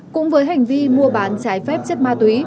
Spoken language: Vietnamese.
cũng với hành vi mua bán trái phép chất ma túy